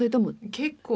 結構。